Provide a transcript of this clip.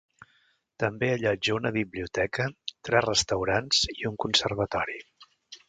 També allotja una biblioteca, tres restaurants i un conservatori.